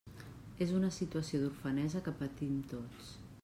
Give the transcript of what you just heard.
És una situació d'orfenesa que patim tots.